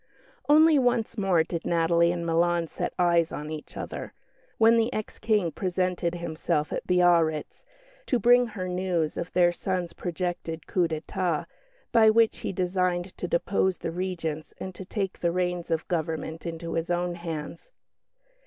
Only once more did Natalie and Milan set eyes on each other when the ex King presented himself at Biarritz, to bring her news of their son's projected coup d'état, by which he designed to depose the Regents and to take the reins of government into his own hands.